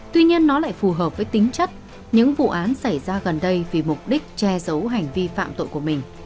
tuy nhiên nó lại phù hợp với tính chất những vụ án xảy ra gần đây vì mục đích che giấu hành vi phạm tội của mình